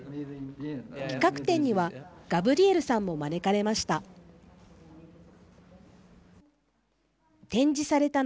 企画展にはガブリエルさんも招かれました。